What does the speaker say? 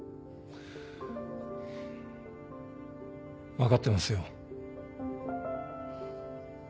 分かってますよ。